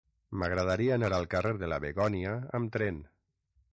M'agradaria anar al carrer de la Begònia amb tren.